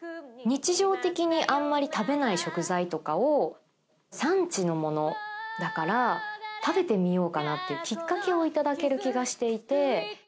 日常的にあんまり食べない食材とかを産地の物だから食べてみようかなってきっかけを頂ける気がしていて。